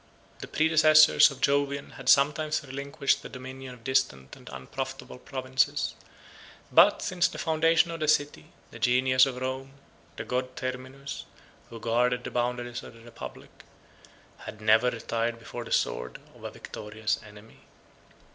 The predecessors of Jovian had sometimes relinquished the dominion of distant and unprofitable provinces; but, since the foundation of the city, the genius of Rome, the god Terminus, who guarded the boundaries of the republic, had never retired before the sword of a victorious enemy.